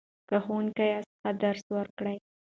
که ښوونکی یاست ښه درس ورکړئ.